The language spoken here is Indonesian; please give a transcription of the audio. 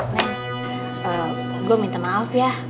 nah gue minta maaf ya